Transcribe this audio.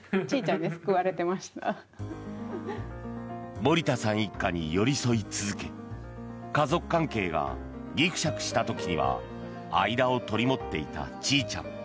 森田さん一家に寄り添い続け家族関係がぎくしゃくした時には間を取り持っていたちいちゃん。